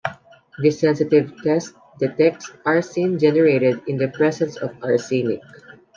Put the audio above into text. This sensitive test detects arsine generated in the presence of arsenic.